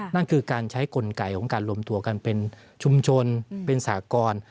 นั่นคือการใช้กลไกของการรวมตัวกันเป็นชุมชนเป็นสากร